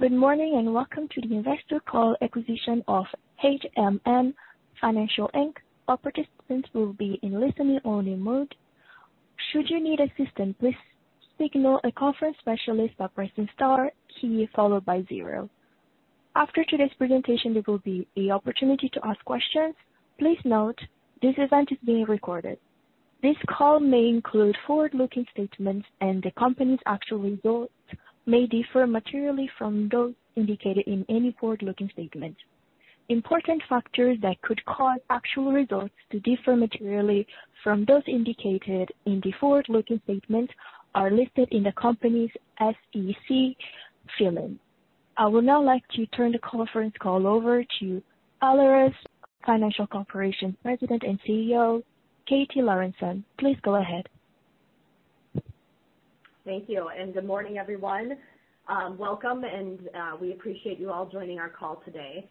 Good morning, and welcome to the investor call acquisition of HMN Financial, Inc. All participants will be in listening-only mode. Should you need assistance, please signal a conference specialist by pressing star key followed by zero. After today's presentation, there will be an opportunity to ask questions. Please note, this event is being recorded. This call may include forward-looking statements, and the company's actual results may differ materially from those indicated in any forward-looking statement. Important factors that could cause actual results to differ materially from those indicated in the forward-looking statements are listed in the company's SEC filing. I would now like to turn the conference call over to Alerus Financial Corporation, President and CEO, Katie Lorenson. Please go ahead. Thank you, and good morning, everyone. Welcome, and we appreciate you all joining our call today.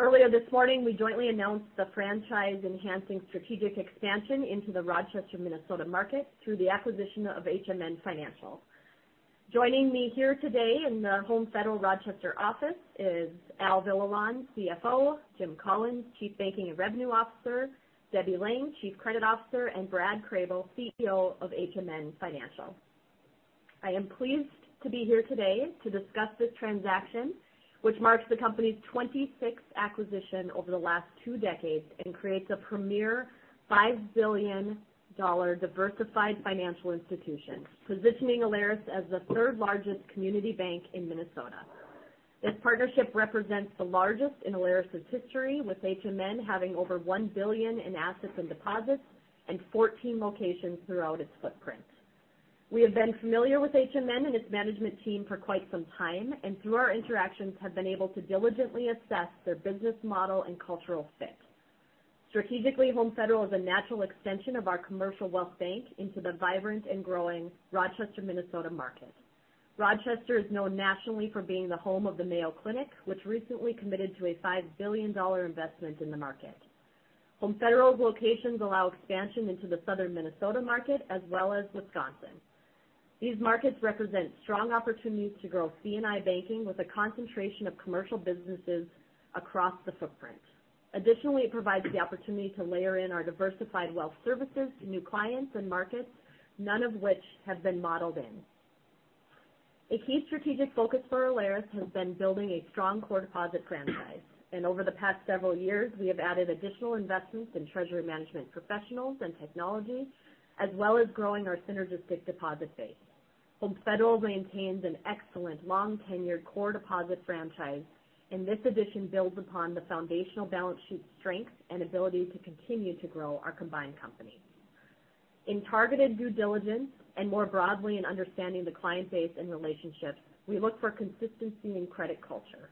Earlier this morning, we jointly announced the franchise-enhancing strategic expansion into the Rochester, Minnesota market through the acquisition of HMN Financial. Joining me here today in the Home Federal Rochester office is Al Villalon, CFO, Jim Collins, Chief Banking and Revenue Officer, Debbie Lang, Chief Credit Officer, and Brad Krehbiel, CEO of HMN Financial. I am pleased to be here today to discuss this transaction, which marks the company's 26th acquisition over the last two decades and creates a premier $5 billion diversified financial institution, positioning Alerus as the third-largest community bank in Minnesota. This partnership represents the largest in Alerus's history, with HMN having over $1 billion in assets and deposits and 14 locations throughout its footprint. We have been familiar with HMN and its management team for quite some time, and through our interactions, have been able to diligently assess their business model and cultural fit. Strategically, Home Federal is a natural extension of our commercial wealth bank into the vibrant and growing Rochester, Minnesota market. Rochester is known nationally for being the home of the Mayo Clinic, which recently committed to a $5 billion investment in the market. Home Federal's locations allow expansion into the Southern Minnesota market as well as Wisconsin. These markets represent strong opportunities to grow C&I banking with a concentration of commercial businesses across the footprint. Additionally, it provides the opportunity to layer in our diversified wealth services to new clients and markets, none of which have been modeled in. A key strategic focus for Alerus has been building a strong core deposit franchise, and over the past several years, we have added additional investments in treasury management professionals and technology, as well as growing our synergistic deposit base. Home Federal maintains an excellent, long-tenured core deposit franchise, and this addition builds upon the foundational balance sheet's strength and ability to continue to grow our combined company. In targeted due diligence and more broadly in understanding the client base and relationships, we look for consistency in credit culture.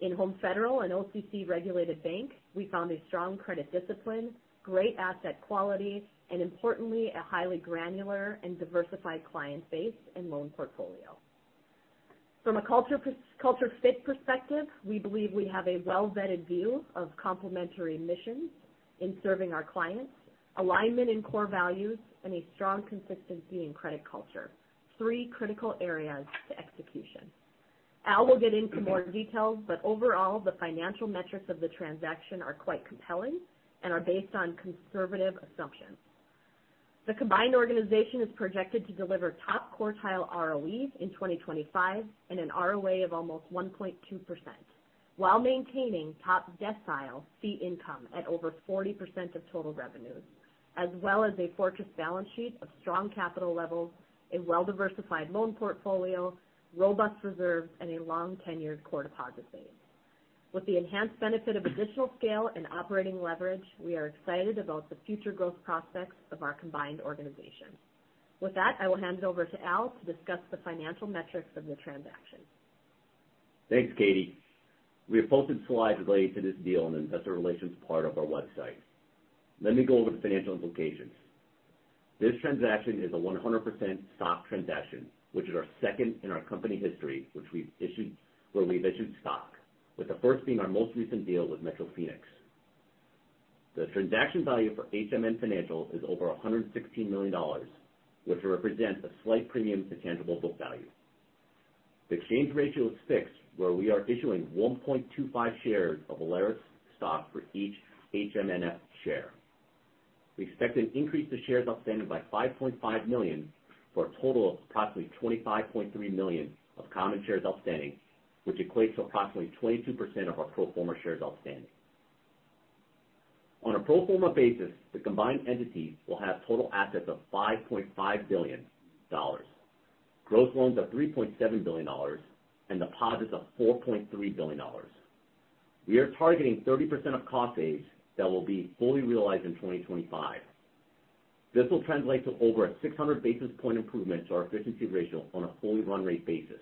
In Home Federal, an OCC-regulated bank, we found a strong credit discipline, great asset quality, and importantly, a highly granular and diversified client base and loan portfolio. From a culture fit perspective, we believe we have a well-vetted view of complementary missions in serving our clients, alignment in core values, and a strong consistency in credit culture, three critical areas to execution. Al will get into more details, but overall, the financial metrics of the transaction are quite compelling and are based on conservative assumptions. The combined organization is projected to deliver top quartile ROEs in 2025 and an ROA of almost 1.2%, while maintaining top decile fee income at over 40% of total revenues, as well as a fortress balance sheet of strong capital levels, a well-diversified loan portfolio, robust reserves, and a long-tenured core deposit base. With the enhanced benefit of additional scale and operating leverage, we are excited about the future growth prospects of our combined organization. With that, I will hand it over to Al to discuss the financial metrics of the transaction. Thanks, Katie. We have posted slides related to this deal on the investor relations part of our website. Let me go over the financial implications. This transaction is a 100% stock transaction, which is our second in our company history, which we've issued—where we've issued stock, with the first being our most recent deal with Metro Phoenix. The transaction value for HMN Financial is over $116 million, which represents a slight premium to tangible book value. The exchange ratio is fixed, where we are issuing 1.25 shares of Alerus stock for each HMNF share. We expect an increase to shares outstanding by 5.5 million, for a total of approximately 25.3 million of common shares outstanding, which equates to approximately 22% of our pro forma shares outstanding. On a pro forma basis, the combined entities will have total assets of $5.5 billion, gross loans of $3.7 billion, and deposits of $4.3 billion. We are targeting 30% of cost saves that will be fully realized in 2025. This will translate to over a 600 basis point improvement to our efficiency ratio on a fully run rate basis.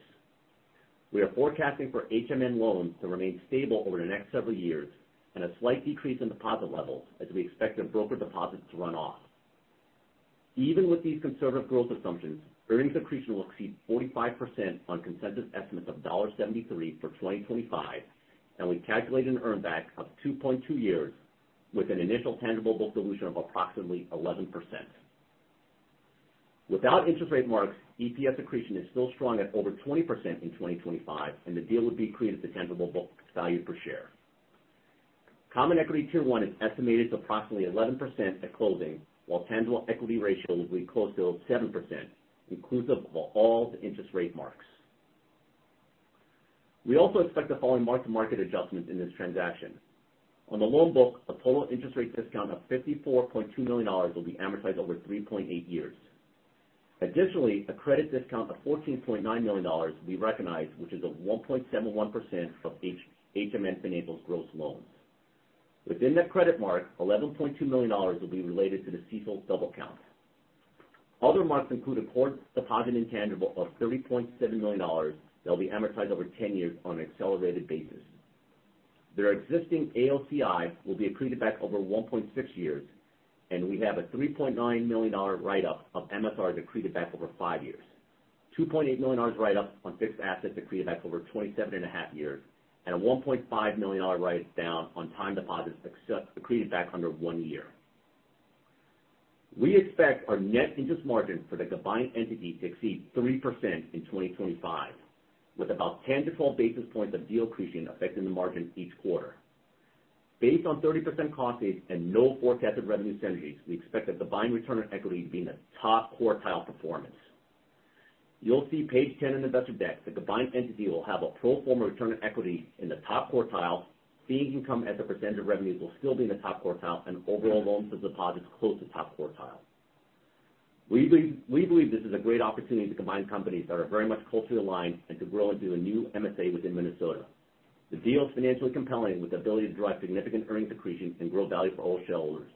We are forecasting for HMN loans to remain stable over the next several years and a slight decrease in deposit levels as we expect their broker deposits to run off. Even with these conservative growth assumptions, earnings accretion will exceed 45% on consensus estimates of $73 for 2025, and we calculate an earn back of 2.2 years with an initial tangible book dilution of approximately 11%.... Without interest rate marks, EPS accretion is still strong at over 20% in 2025, and the deal would be accretive to tangible book value per share. Common Equity Tier 1 is estimated to approximately 11% at closing, while tangible equity ratio will be close to 7%, inclusive of all the interest rate marks. We also expect the following mark-to-market adjustments in this transaction. On the loan book, a total interest rate discount of $54.2 million will be amortized over 3.8 years. Additionally, a credit discount of $14.9 million will be recognized, which is a 1.71% of HMN Financial's gross loans. Within that credit mark, $11.2 million will be related to the CECL double count. Other marks include a core deposit intangible of $30.7 million that'll be amortized over 10 years on an accelerated basis. Their existing AOCI will be accreted back over 1.6 years, and we have a $3.9 million write-up of MSRs accreted back over 5 years. $2.8 million write-up on fixed assets accreted back over 27.5 years, and a $1.5 million write-down on time deposits accreted back under 1 year. We expect our net interest margin for the combined entity to exceed 3% in 2025, with about 10-12 basis points of deal accretion affecting the margin each quarter. Based on 30% cost saves and no forecasted revenue synergies, we expect the combined return on equity to be in the top quartile performance. You'll see page 10 in the investor deck. The combined entity will have a pro forma return on equity in the top quartile. Fee income as a percentage of revenues will still be in the top quartile, and overall loans to deposits close to top quartile. We believe this is a great opportunity to combine companies that are very much culturally aligned and to grow into a new MSA within Minnesota. The deal is financially compelling with the ability to drive significant earnings accretion and grow value for all shareholders.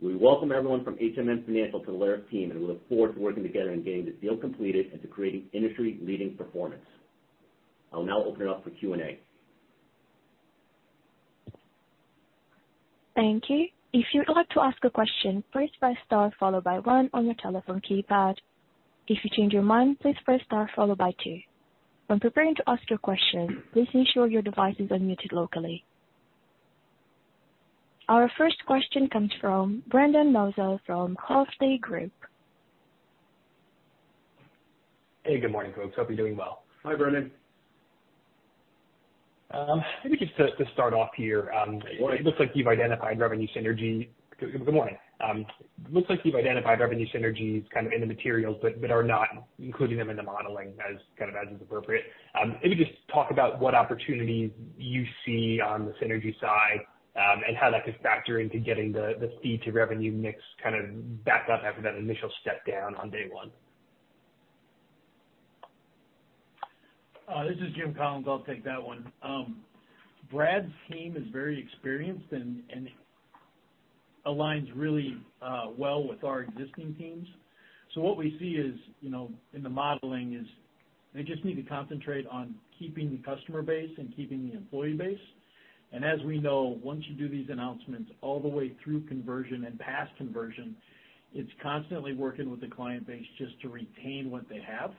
We welcome everyone from HMN Financial to the Alerus team, and we look forward to working together and getting this deal completed and to creating industry-leading performance. I'll now open it up for Q&A. Thank you. If you'd like to ask a question, press star followed by one on your telephone keypad. If you change your mind, please press star followed by two. When preparing to ask your question, please ensure your device is unmuted locally. Our first question comes from Brendan Nosal from Hovde Group. Hey, good morning, folks. Hope you're doing well. Hi, Brendan. Maybe just to start off here, Good morning. Good morning. It looks like you've identified revenue synergies kind of in the materials, but are not including them in the modeling as is appropriate. Maybe just talk about what opportunities you see on the synergy side, and how that could factor into getting the fee to revenue mix kind of back up after that initial step down on day one. This is Jim Collins. I'll take that one. Brad's team is very experienced and aligns really well with our existing teams. So what we see is, you know, in the modeling is they just need to concentrate on keeping the customer base and keeping the employee base. And as we know, once you do these announcements all the way through conversion and past conversion, it's constantly working with the client base just to retain what they have.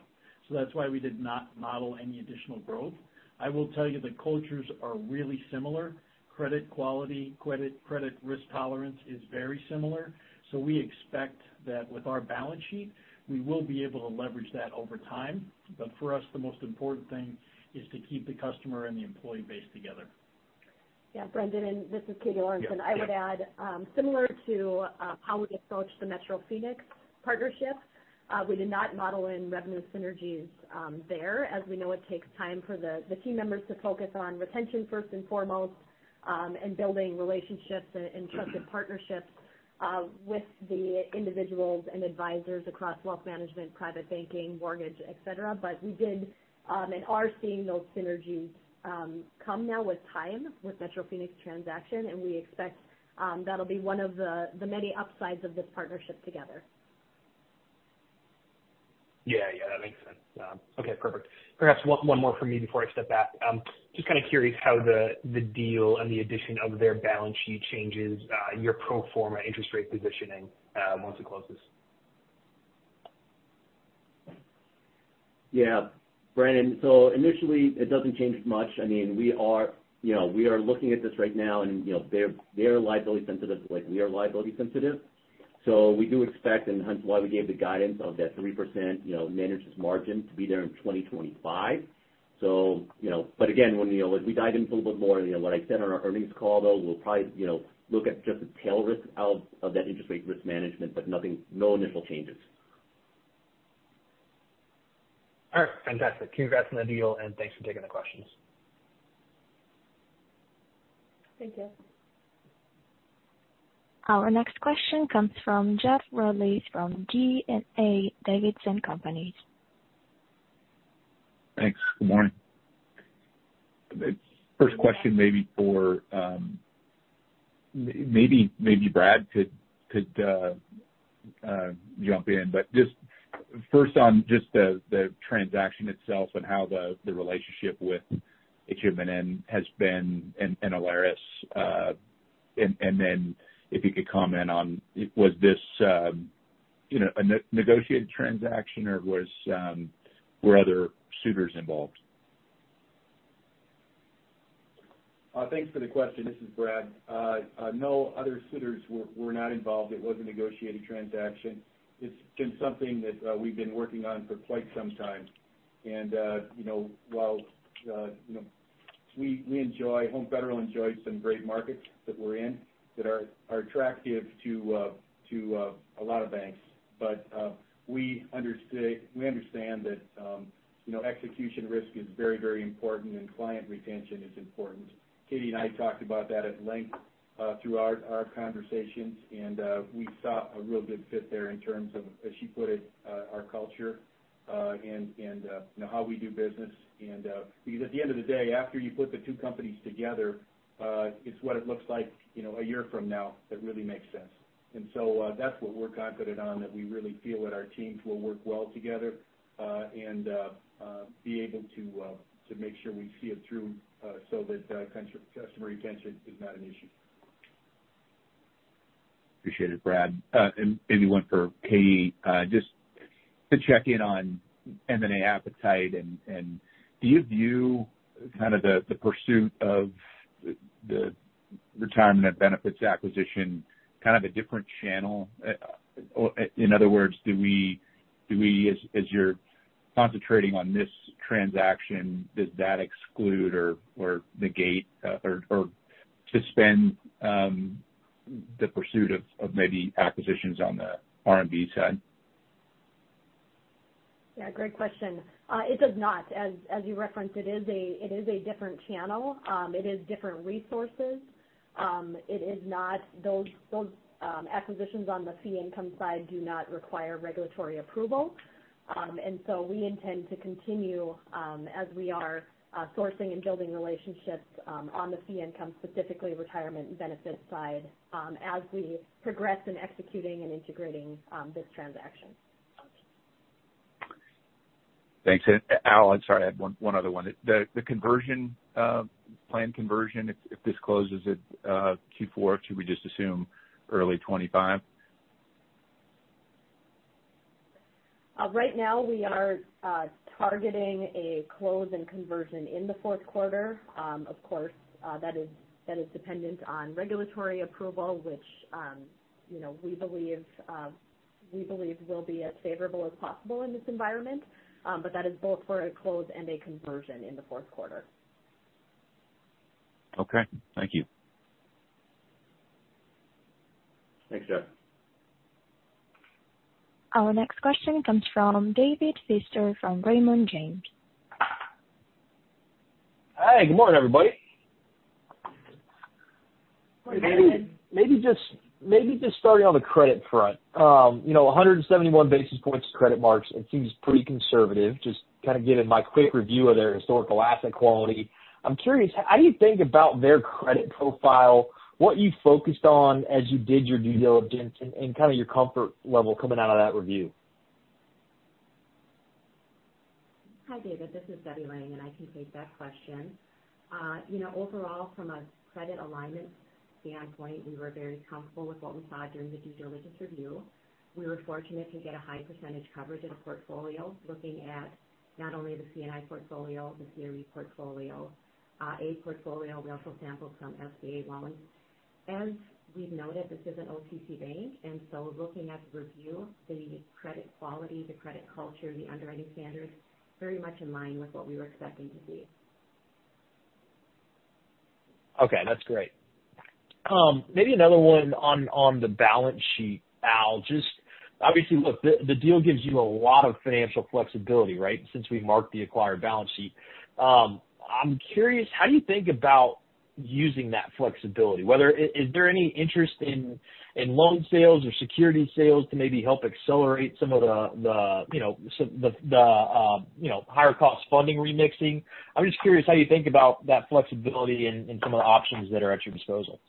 So that's why we did not model any additional growth. I will tell you the cultures are really similar. Credit quality, credit risk tolerance is very similar. So we expect that with our balance sheet, we will be able to leverage that over time. But for us, the most important thing is to keep the customer and the employee base together. Yeah, Brendan, and this is Katie Lorenson. Yeah, yeah. And I would add, similar to how we approached the Metro Phoenix partnership, we did not model in revenue synergies there, as we know it takes time for the team members to focus on retention first and foremost, and building relationships and trusted partnerships with the individuals and advisors across wealth management, private banking, mortgage, et cetera. But we did and are seeing those synergies come now with time with Metro Phoenix transaction, and we expect that'll be one of the many upsides of this partnership together. Yeah, yeah, that makes sense. Okay, perfect. Perhaps one more from me before I step back. Just kind of curious how the deal and the addition of their balance sheet changes your pro forma interest rate positioning once it closes? Yeah. Brendan, so initially, it doesn't change much. I mean, we are, you know, we are looking at this right now, and, you know, they're, they're liability sensitive like we are liability sensitive. So we do expect, and hence why we gave the guidance of that 3%, you know, manages margin to be there in 2025. So, you know, but again, when, you know, as we dive in a little bit more, you know, what I said on our earnings call, though, we'll probably, you know, look at just the tail risk out of that interest rate risk management, but nothing—no initial changes. All right. Fantastic. Congrats on the deal, and thanks for taking the questions. Thank you. Our next question comes from Jeff Rulis from D.A. Davidson & Co. Thanks. Good morning. The first question maybe for maybe Brad could jump in. But just first on just the transaction itself and how the relationship with HMN has been and Alerus and then if you could comment on was this you know a negotiated transaction or was were other suitors involved? ...Thanks for the question. This is Brad. No, other suitors were not involved. It was a negotiated transaction. It's been something that we've been working on for quite some time. And, you know, while, you know, we enjoy—Home Federal enjoys some great markets that we're in that are attractive to a lot of banks. But we understand that, you know, execution risk is very, very important, and client retention is important. Katie and I talked about that at length through our conversations, and we saw a real good fit there in terms of, as she put it, our culture, and you know, how we do business. Because at the end of the day, after you put the two companies together, it's what it looks like, you know, a year from now that really makes sense. So, that's what we're confident on, that we really feel that our teams will work well together, and be able to to make sure we see it through, so that customer retention is not an issue. Appreciate it, Brad. And one for Katie. Just to check in on M&A appetite, and do you view kind of the pursuit of the retirement benefits acquisition kind of a different channel? Or, in other words, do we -- as you're concentrating on this transaction, does that exclude or negate or suspend the pursuit of maybe acquisitions on the R&B side? Yeah, great question. It does not. As you referenced, it is a different channel. It is different resources. It is not... Those acquisitions on the fee income side do not require regulatory approval. And so we intend to continue, as we are sourcing and building relationships, on the fee income, specifically retirement benefit side, as we progress in executing and integrating, this transaction. Thanks. And Al, I'm sorry, I had one other one. The conversion plan conversion, if this closes at Q4, should we just assume early 2025? Right now we are targeting a close and conversion in the fourth quarter. Of course, that is, that is dependent on regulatory approval, which, you know, we believe, we believe will be as favorable as possible in this environment. But that is both for a close and a conversion in the fourth quarter. Okay, thank you. Thanks, Jeff. Our next question comes from David Feaster from Raymond James. Hi, good morning, everybody. Good morning, David. Maybe just starting on the credit front. You know, 171 basis points of credit marks, it seems pretty conservative, just kind of given my quick review of their historical asset quality. I'm curious, how do you think about their credit profile, what you focused on as you did your due diligence and kind of your comfort level coming out of that review? Hi, David, this is Debbie Lang, and I can take that question. You know, overall, from a credit alignment standpoint, we were very comfortable with what we saw during the due diligence review. We were fortunate to get a high percentage coverage of the portfolio, looking at not only the C&I portfolio, the CRE portfolio, A portfolio, we also sampled some SBA loans. As we've noted, this is an OCC bank, and so looking at the review, the credit quality, the credit culture, the underwriting standards, very much in line with what we were expecting to see. Okay, that's great. Maybe another one on the balance sheet, Al. Just obviously, look, the deal gives you a lot of financial flexibility, right? Since we marked the acquired balance sheet. I'm curious, how do you think about using that flexibility? Whether is there any interest in loan sales or security sales to maybe help accelerate some of the, you know, higher cost funding remixing? I'm just curious how you think about that flexibility and some of the options that are at your disposal.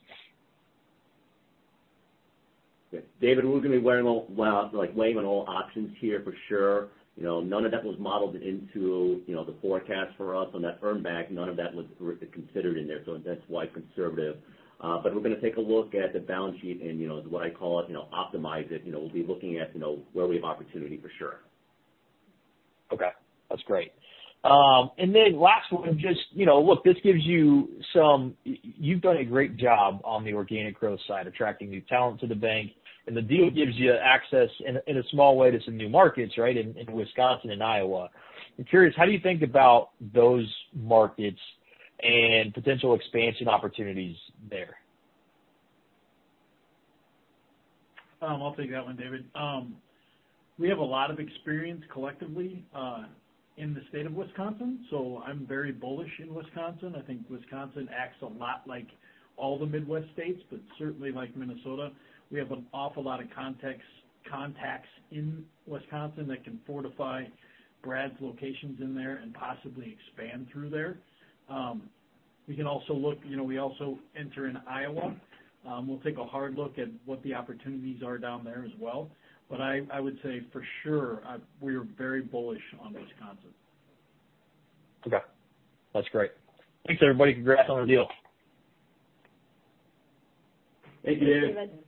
David, we're going to be, well, like, weighing all options here for sure. You know, none of that was modeled into, you know, the forecast for us on that earn back. None of that was considered in there, so that's why conservative. But we're going to take a look at the balance sheet and, you know, what I call it, you know, optimize it. You know, we'll be looking at, you know, where we have opportunity for sure. Okay, that's great. And then last one, just, you know, look, this gives you some... You've done a great job on the organic growth side, attracting new talent to the bank, and the deal gives you access in a small way to some new markets, right? In Wisconsin and Iowa. I'm curious, how do you think about those markets and potential expansion opportunities there? I'll take that one, David. We have a lot of experience collectively in the state of Wisconsin, so I'm very bullish in Wisconsin. I think Wisconsin acts a lot like all the Midwest states, but certainly like Minnesota. We have an awful lot of contacts, contacts in Wisconsin that can fortify Brad's locations in there and possibly expand through there. We can also look—you know, we also enter in Iowa. We'll take a hard look at what the opportunities are down there as well. But I, I would say for sure, we are very bullish on Wisconsin. Okay, that's great. Thanks, everybody. Congrats on the deal. Thank you, David. Thanks, David....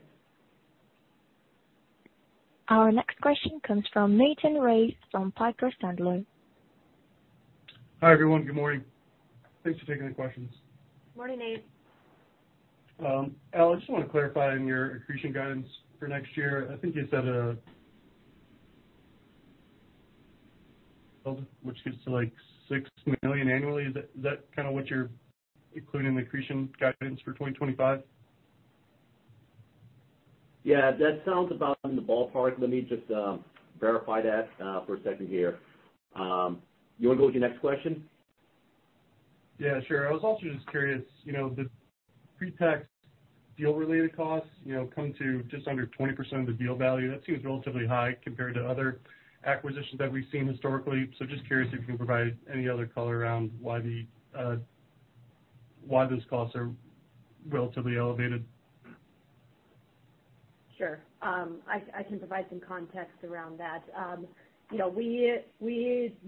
Our next question comes from Nathan Race from Piper Sandler. Hi, everyone. Good morning. Thanks for taking the questions. Morning, Nate. Al, I just want to clarify on your accretion guidance for next year. I think you said, which gets to, like, $6 million annually. Is that, is that kind of what you're including in the accretion guidance for 2025? Yeah, that sounds about in the ballpark. Let me just verify that for a second here. You want to go with your next question? Yeah, sure. I was also just curious, you know, the pre-tax deal related costs, you know, come to just under 20% of the deal value. That seems relatively high compared to other acquisitions that we've seen historically. So just curious if you can provide any other color around why the why those costs are relatively elevated? Sure. I can provide some context around that. You know, we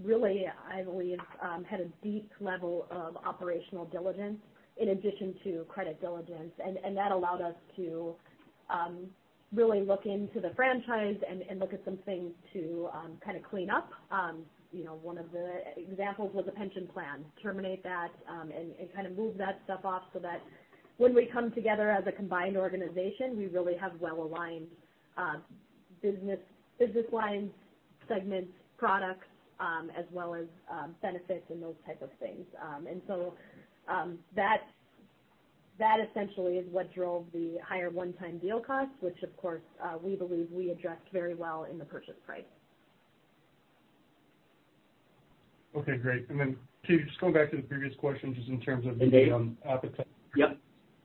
really, I believe, had a deep level of operational diligence in addition to credit diligence. And that allowed us to really look into the franchise and look at some things to kind of clean up. You know, one of the examples was a pension plan, terminate that, and kind of move that stuff off so that when we come together as a combined organization, we really have well-aligned business lines, segments, products, as well as benefits and those type of things. And so, that essentially is what drove the higher one-time deal costs, which of course, we believe we addressed very well in the purchase price. Okay, great. And then, can you just going back to the previous question, just in terms of the appetite? Yep.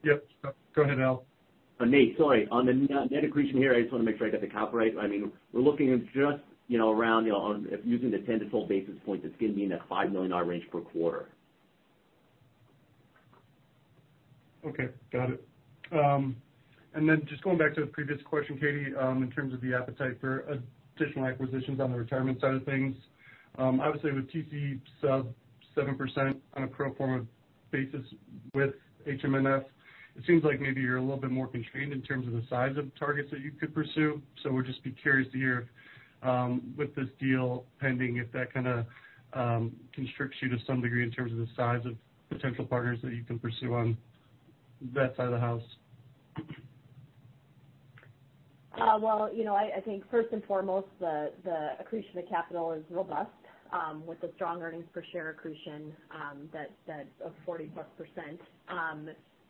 Yep. Go ahead, Al. Nate, sorry. On the net accretion here, I just want to make sure I got the calc right. I mean, we're looking at just, you know, on using the 10-12 basis points, it's going to be in that $5 million range per quarter. Okay, got it. And then just going back to the previous question, Katie, in terms of the appetite for additional acquisitions on the retirement side of things, obviously with TC sub 7% on a pro forma basis with HMNF, it seems like maybe you're a little bit more constrained in terms of the size of targets that you could pursue. So would just be curious to hear, with this deal pending, if that kind of constricts you to some degree in terms of the size of potential partners that you can pursue on that side of the house. Well, you know, I think first and foremost, the accretion of capital is robust, with the strong earnings per share accretion, that of 40%+.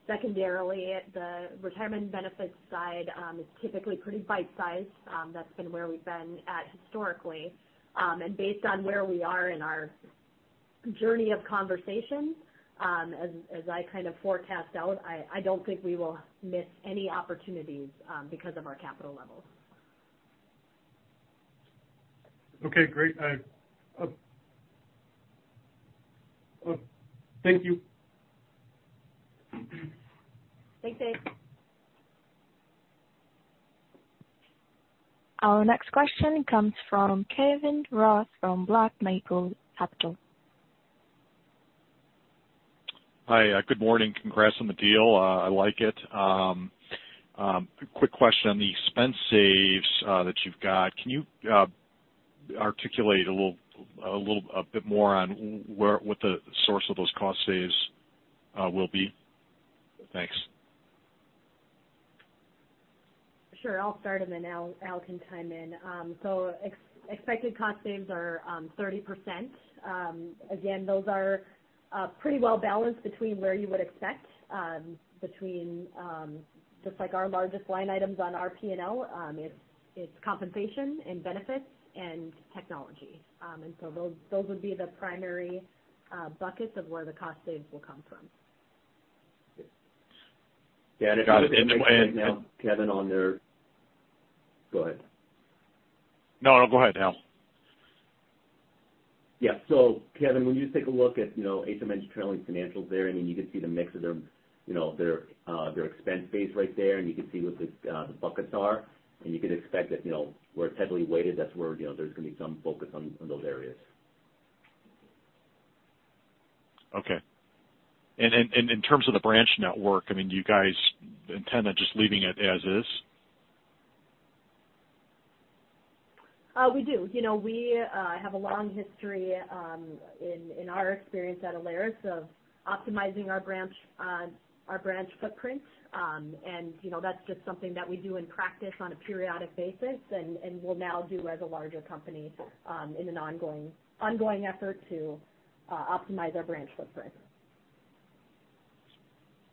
Secondarily, the retirement benefits side is typically pretty bite-sized. That's been where we've been at historically. And based on where we are in our journey of conversations, as I kind of forecast out, I don't think we will miss any opportunities, because of our capital levels. Okay, great. I thank you. Thanks, Nate. Our next question comes from Kevin Ross from Van Clemens & Co Hi, good morning. Congrats on the deal. I like it. Quick question on the expense saves that you've got. Can you articulate a little, a bit more on what the source of those cost saves will be? Thanks. Sure. I'll start, and then Al can chime in. So expected cost saves are 30%. Again, those are pretty well balanced between where you would expect, between just like our largest line items on our P&L. It's compensation and benefits and technology. And so those would be the primary buckets of where the cost saves will come from. Yeah, and just to chime in, Kevin, on there. Go ahead. No, no, go ahead, Al. Yeah. So Kevin, when you take a look at, you know, HMN's trailing financials there, I mean, you can see the mix of their, you know, their expense base right there, and you can see what the buckets are. And you can expect that, you know, where it's heavily weighted, that's where, you know, there's going to be some focus on those areas. Okay. And in terms of the branch network, I mean, do you guys intend on just leaving it as is? We do. You know, we have a long history in our experience at Alerus of optimizing our branch footprint. And, you know, that's just something that we do in practice on a periodic basis and will now do as a larger company, in an ongoing effort to optimize our branch footprint.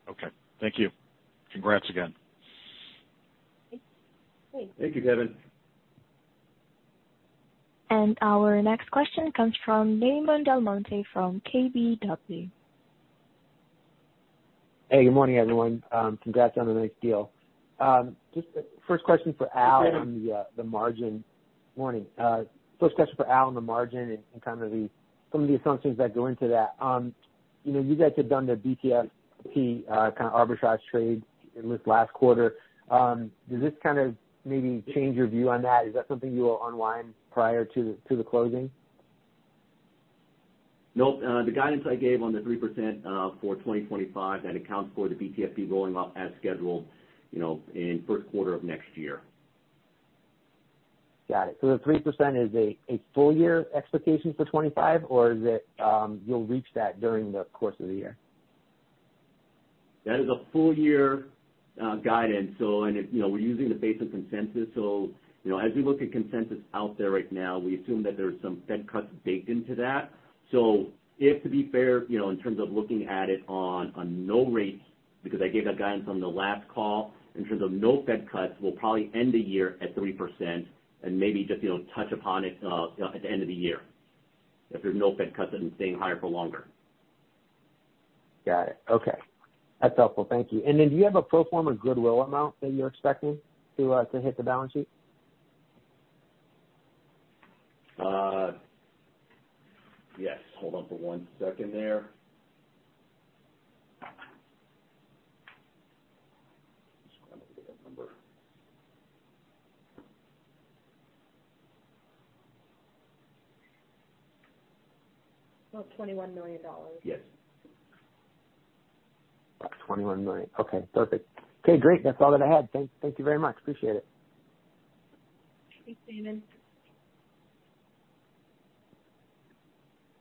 Okay. Thank you. Congrats again. Thanks. Thank you, Kevin. Our next question comes from Damon DelMonte from KBW. Hey, good morning, everyone. Congrats on a nice deal. Just the first question for Al- Good morning. On the margin. Morning. First question for Al on the margin and kind of some of the assumptions that go into that. You know, you guys had done the BTFP kind of arbitrage trade at least last quarter. Does this kind of maybe change your view on that? Is that something you will unwind prior to the closing?... Nope. The guidance I gave on the 3%, for 2025, that accounts for the BTFP rolling off as scheduled, you know, in first quarter of next year. Got it. So the 3% is a full year expectation for 2025, or is it you'll reach that during the course of the year? That is a full year guidance. So and it you know, we're using the basic consensus. So, you know, as we look at consensus out there right now, we assume that there are some Fed cuts baked into that. So if, to be fair, you know, in terms of looking at it on, on no rates, because I gave that guidance on the last call, in terms of no Fed cuts, we'll probably end the year at 3% and maybe just, you know, touch upon it, at the end of the year, if there's no Fed cuts and staying higher for longer. Got it. Okay. That's helpful. Thank you. And then do you have a pro forma goodwill amount that you're expecting to, to hit the balance sheet? Yes, hold on for one second there. Just trying to look at that number. About $21 million. Yes. $21 million. Okay, perfect. Okay, great! That's all that I had. Thank you very much. Appreciate it. Thanks, Damon.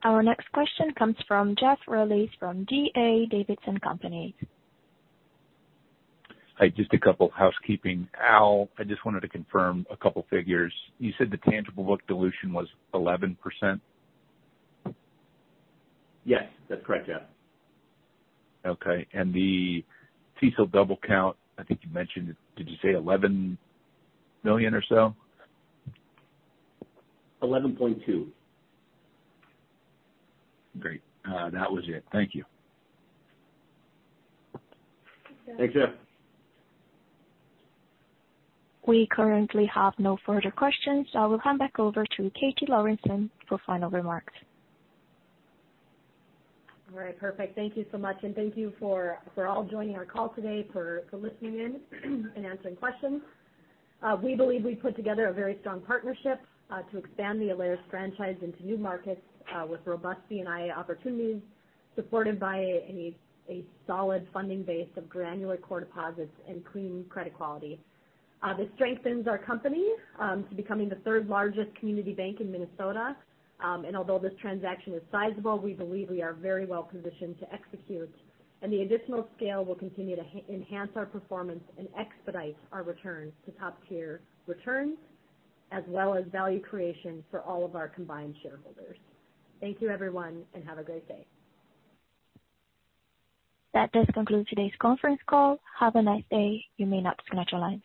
Our next question comes from Jeff Rulis from D.A. Davidson. Hi, just a couple housekeeping. Al, I just wanted to confirm a couple figures. You said the tangible book dilution was 11%? Yes, that's correct, Jeff. Okay. The CECL double count, I think you mentioned, did you say $11 million or so? 11.2. Great. That was it. Thank you. Thanks, Jeff. We currently have no further questions, so I will hand back over to Katie Lorenson for final remarks. All right. Perfect. Thank you so much, and thank you for all joining our call today, for listening in and answering questions. We believe we put together a very strong partnership to expand the Alerus franchise into new markets with robust C&I opportunities, supported by a solid funding base of granular core deposits and clean credit quality. This strengthens our company to becoming the third largest community bank in Minnesota. And although this transaction is sizable, we believe we are very well positioned to execute, and the additional scale will continue to enhance our performance and expedite our return to top-tier returns, as well as value creation for all of our combined shareholders. Thank you, everyone, and have a great day. That does conclude today's conference call. Have a nice day. You may now disconnect your lines.